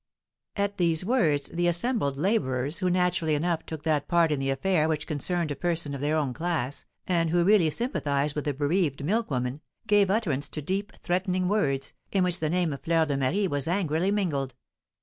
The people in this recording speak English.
At these words the assembled labourers, who naturally enough took that part in the affair which concerned a person of their own class, and who really sympathised with the bereaved milk woman, gave utterance to deep, threatening words, in which the name of Fleur de Marie was angrily mingled.